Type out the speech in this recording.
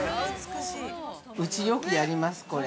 ◆うち、よくやります、これ。